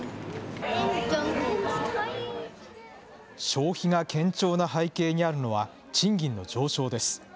消費が堅調な背景にあるのは、賃金の上昇です。